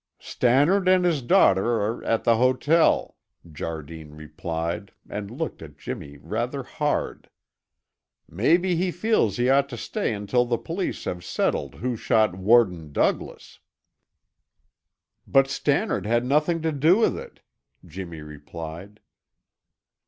"Stannard and his daughter are at the hotel," Jardine replied and looked at Jimmy rather hard. "Maybe he feels he ought to stay until the police have settled who shot warden Douglas." "But Stannard had nothing to do with it," Jimmy replied.